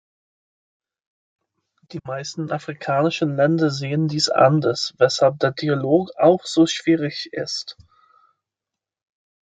Die meisten afrikanischen Länder sehen dies anders, weshalb der Dialog auch so schwierig ist.